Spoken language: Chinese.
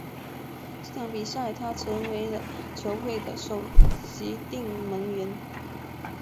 这场比赛后他成为了球会的首席定门员。